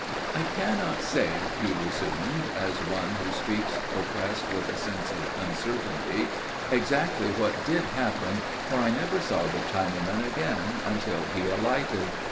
"I cannot say," he resumed, as one who speaks oppressed with a sense of uncertainty, "exactly what did happen, for I never saw the Chinaman again until he alighted.